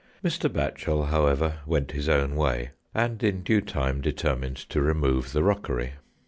Mr. Batchel, however, went his own way, and in due time determined to remove the rockery.